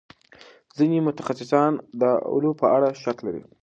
ځینې متخصصان د اولو په اړه شک لري.